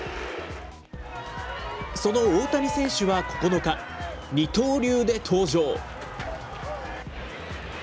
その大谷選手は９日、二刀流で登場。